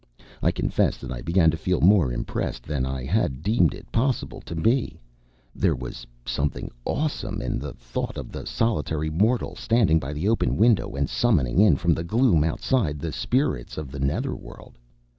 I confess that I began to feel more impressed than I had deemed it possible to be. There was something awesome in the thought of the solitary mortal standing by the open window and summoning in from the gloom outside the spirits of the nether world.